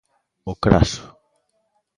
O Craso.